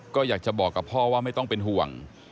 ก็อยากจะบอกกับพ่อว่าไม่ต้องเป็นห่วง